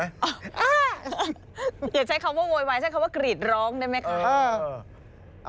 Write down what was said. อย่าใช้คำว่าโวยวายใช้คำว่ากรีดร้องได้ไหมคะ